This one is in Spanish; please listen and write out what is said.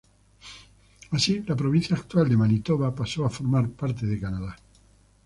Así, la provincia actual de Manitoba pasó a formar parte de Canadá.